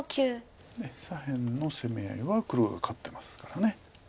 左辺の攻め合いは黒が勝ってますから。